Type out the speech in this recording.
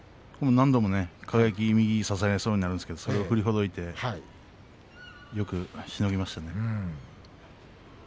何度も輝に右を差されそうになるんですがそれを振りほどいてよくしのぎましたね。